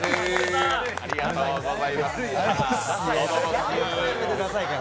ありがとうございます。